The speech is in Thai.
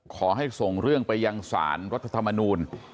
ขอให้ส่งเรื่องไปยังสารรัฐธรรมนูล